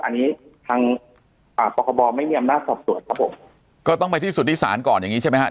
อันนี้ทางปกบไม่เนียมน่าสอบตรวจครับผมก็ต้องไปที่สถิษฐานก่อนอย่างนี้ใช่ไหมครับ